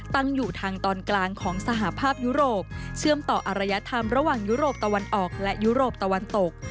ตั้งอยู่ทางตอนกลางของสหภาพยุโรปเชื่อมต่ออรยธรรมระหว่างยุโรปตะวันออกและยุโรปตะวันตก